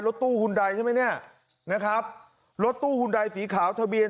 รถตู้หุ่นใดใช่ไหมเนี่ยนะครับรถตู้หุ่นใดสีขาวทะเบียน